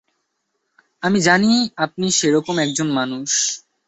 আমি জানি, আপনি সে-রকম এক জন মানুষ।